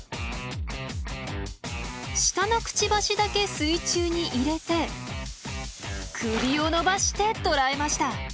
下のクチバシだけ水中に入れて首を伸ばして捕らえました。